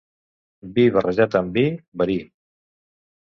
Vi barrejat amb vi, verí.